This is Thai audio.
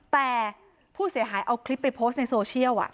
แต่ผู้เสียหายเอาคลิปไปโพสต์ในโซเชียล